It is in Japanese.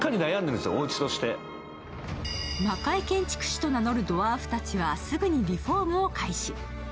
魔界建築士を名乗るドワーフたちはすぐにリフォームを開始。